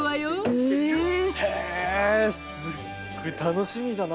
すっごい楽しみだな。